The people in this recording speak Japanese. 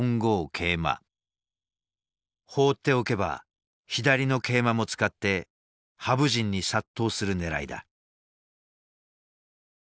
放っておけば左の桂馬も使って羽生陣に殺到するねらいだ。